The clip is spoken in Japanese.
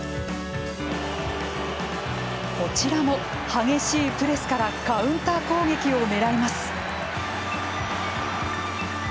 こちらも激しいプレスからカウンター攻撃をねらいます。